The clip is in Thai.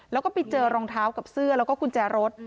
แล้วก็ไปเจอรองเท้ากับเสื้อแล้วก็กุญแจรถ